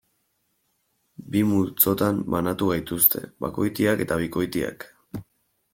Bi multzotan banatu gaituzte: bakoitiak eta bikoitiak.